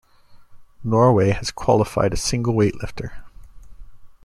Norway has qualified a single weightlifter.